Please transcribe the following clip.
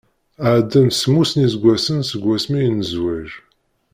Ɛeddan semmus n yiseggasen seg wasmi i nezwej.